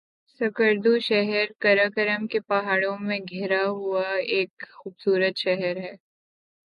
سکردو شہر سلسلہ قراقرم کے پہاڑوں میں گھرا ہوا ایک خوبصورت شہر ہے